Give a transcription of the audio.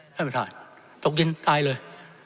ท่านประธานตกดินตายเลย